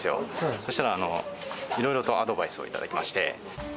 そしたら、いろいろとアドバイスを頂きまして。